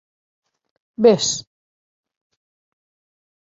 Ves?